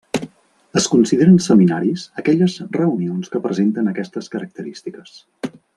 Es consideren seminaris aquelles reunions que presenten aquestes característiques.